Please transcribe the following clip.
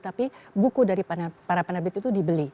tapi buku dari para penerbit itu dibeli